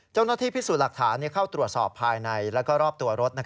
เจ้าหน้าที่พิสูจน์หลักฐานเข้าตรวจสอบภายในและรอบตัวรถ